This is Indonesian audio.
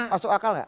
masuk akal gak